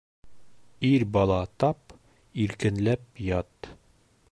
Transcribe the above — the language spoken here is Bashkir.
Ир бала тап, иркенләп ят.